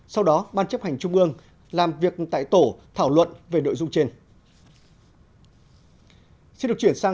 sau đó ban chấp hành trung ương làm việc tại tổ thảo luận về nội dung trên